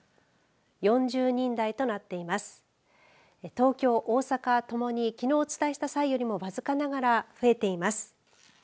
東京、大阪ともにきのうお伝えした際よりも僅かながら増えています。